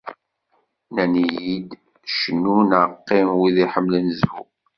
Nnan-iyi-d cnu neɣ qqim wid iḥemmlen zzhu.